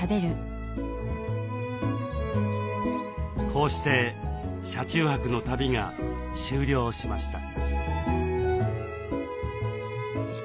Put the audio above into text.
こうして車中泊の旅が終了しました。